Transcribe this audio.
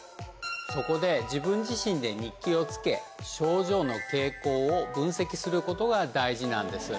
そこで自分自身で日記をつけ、症状の傾向を分析することが大事なんです。